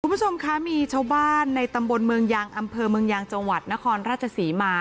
คุณผู้ชมคะมีชาวบ้านในตำบลเมืองยางอำเภอเมืองยางจังหวัดนครราชศรีมา